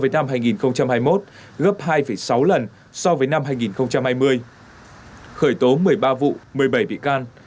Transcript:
năm hai nghìn hai mươi một gấp hai sáu lần so với năm hai nghìn hai mươi khởi tố một mươi ba vụ một mươi bảy bị can